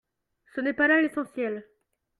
Ce n’est pas là l’essentiel